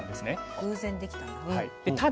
偶然できたんだ。